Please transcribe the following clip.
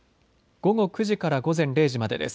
午後９時から午前０時までです。